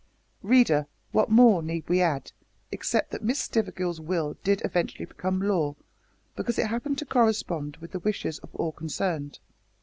Reader, what more need we add except that Miss Stivergill's will did eventually become law, because it happened to correspond with the wishes of all concerned.